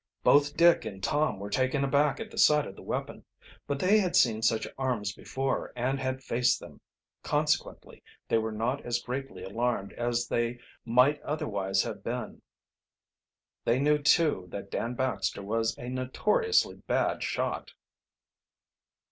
Both Dick and Tom were taken aback at the sight of the weapon. But they had seen such arms before, and had faced them, consequently they were not as greatly alarmed as they right otherwise have been. They knew, too, that Dan Baxter was a notoriously bad shot.